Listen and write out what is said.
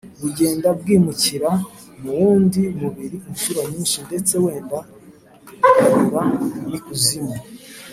bugenda bwimukira mu wundi mubiri incuro nyinshi ndetse wenda bukanyura n’ikuzimu.